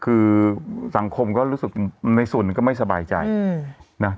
คือสังคมก็รู้สึกในส่วนก็ไม่สบายใจนะ